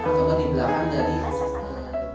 kalau di belakang tadi